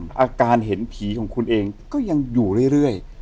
อาการเห็นผีของคุณเองก็ยังอยู่เรื่อย